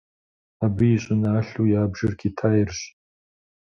Абы и щӏыналъэу ябжыр Китайрщ.